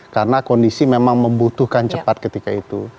karena kondisi memang membutuhkan cepat ketika itu